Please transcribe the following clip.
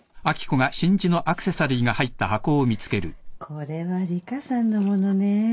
これは里香さんの物ね。